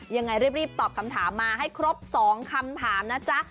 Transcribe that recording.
ยังไงรีบตอบคำถามมาให้ครบ๒คำถามนะจ๊ะ